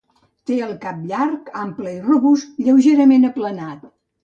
Té el cap allargat, ample i robust, lleugerament aplanat.